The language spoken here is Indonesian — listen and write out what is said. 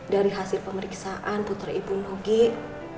dari hasil pemeriksaan putri ibu nugik